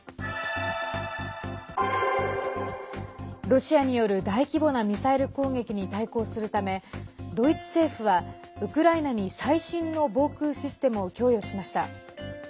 ロシアによる大規模なミサイル攻撃に対抗するためドイツ政府はウクライナに最新の防空システムを供与しました。